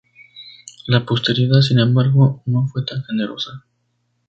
La posteridad, sin embargo, no fue tan generosa.